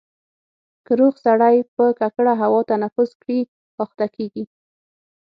که روغ سړی په ککړه هوا تنفس کړي اخته کېږي.